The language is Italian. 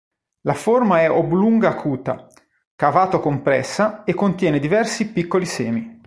La forma è oblungo-acuta, cavato-compressa e contiene diversi piccoli semi.